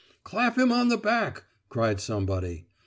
"Clap him on the back!" cried somebody.